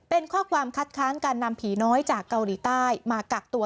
เป็นข้อความคัดค้านการนำผีน้อยจากเกาหลีใต้มากักตัว